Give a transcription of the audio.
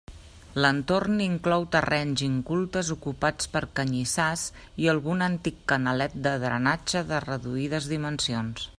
L'entorn inclou terrenys incultes ocupats per canyissars i algun antic canalet de drenatge de reduïdes dimensions.